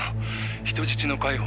人質の解放？」